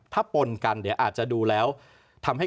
ถ้าปนกันอาจจะดูแล้วทำให้